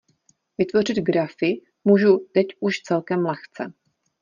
Vytvořit grafy můžu teď už celkem lehce.